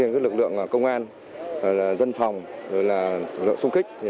lực lượng công an dân phòng lực lượng xung kích